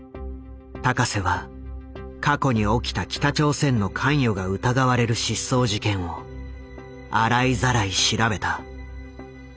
高世は過去に起きた北朝鮮の関与が疑われる失踪事件を洗いざらい調べた。